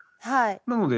なので